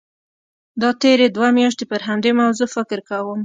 دا تېرې دوه میاشتې پر همدې موضوع فکر کوم.